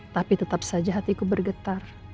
tapi tetap saja hatiku bergetar